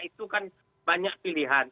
itu kan banyak pilihan